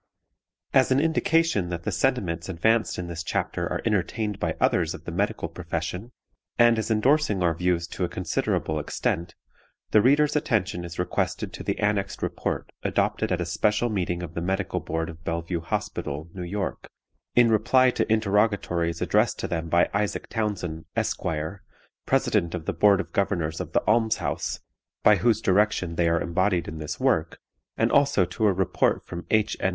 As an indication that the sentiments advanced in this chapter are entertained by others of the medical profession, and as endorsing our views to a considerable extent, the reader's attention is requested to the annexed report adopted at a special meeting of the Medical Board of Bellevue Hospital, New York, in reply to interrogatories addressed to them by Isaac Townsend, Esq., President of the Board of Governors of the Alms house (by whose direction they are embodied in this work); and also to a report from H. N.